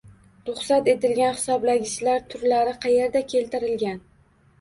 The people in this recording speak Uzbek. Ruxsat etilgan hisoblagichlar turlari qayerda keltirilgan?